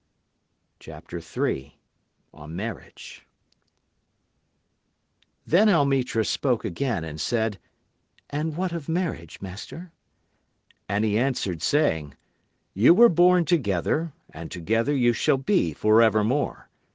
[Illustration: 0029] Then Almitra spoke again and said, And what of Marriage master? And he answered saying: You were born together, and together you shall be forevermore.